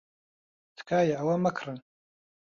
تکایە ئەوە مەکڕن.